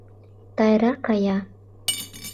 Тайра кая.